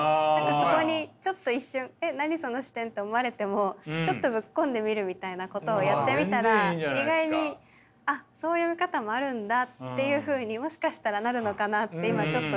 そこにちょっと一瞬「えっ何その視点」と思われてもちょっとぶっ込んでみるみたいなことをやってみたら意外にあっそういう見方もあるんだっていうふうにもしかしたらなるのかなって今ちょっと自信が。